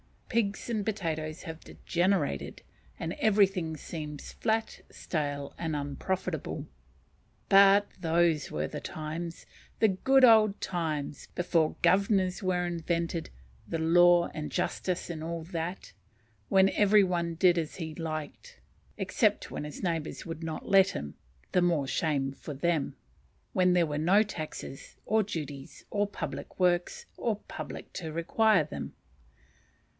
Pigs and potatoes have degenerated; and everything seems "flat, stale, and unprofitable." But those were the times! the "good old times" before Governors were invented, and law, and justice, and all that. When every one did as he liked, except when his neighbours would not let him, (the more shame for them,) when there were no taxes, or duties, or public works, or public to require them.